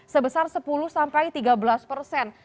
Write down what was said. sebesar sepuluh sampai tiga belas persen